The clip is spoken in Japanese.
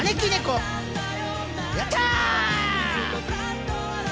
やった！